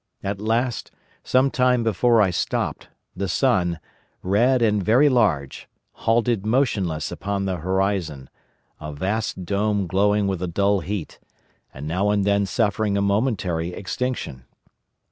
At last, some time before I stopped, the sun, red and very large, halted motionless upon the horizon, a vast dome glowing with a dull heat, and now and then suffering a momentary extinction.